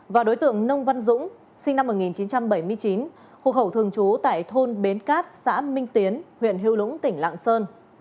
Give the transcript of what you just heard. và đối tượng nông văn dũng sinh năm một nghìn chín trăm bảy mươi chín hộ khẩu thường trú tại thôn bến cát xã minh tiến huyện hữu lũng tỉnh lạng sơn